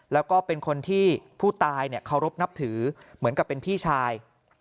แล้วก็เป็นคนที่ผู้ตายเคารพนับถือเหมือนกับเป็นพี่ชาย